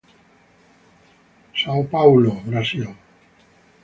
Sao Paulo, Brasil.